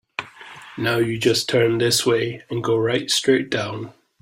Now you just turn this way and go right straight down.